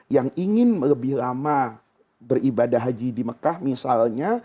yang ingin lebih lama beribadah haji di mekah misalnya